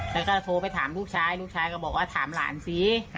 แล้วก็โทรไปถามลูกชายลูกชายก็บอกว่าถามหลานสิ